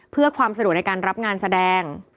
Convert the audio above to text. เพื่อความสะดวกในการรับงานแสดง